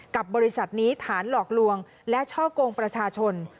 กับบริษัทนี้ฐานหลอกลวงและช่อกงประชาชน